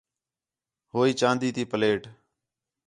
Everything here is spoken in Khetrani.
ہوئی چاندی تی پلیٹ